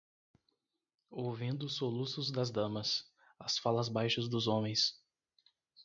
ouvindo os soluços das damas, as falas baixas dos homens